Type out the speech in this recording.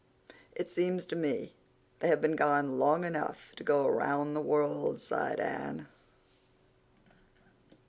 "It seems to me they have been gone long enough to go around the world," sighed Anne.